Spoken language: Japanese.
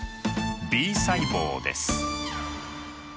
Ｂ細胞です。